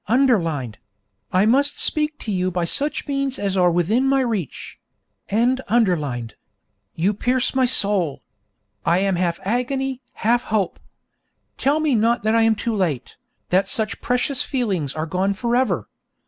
[underlined: I must speak to you by such means as are within my reach.] You pierce my soul. I am half agony, half hope. Tell me not that I am too late, that such precious feelings are gone for ever.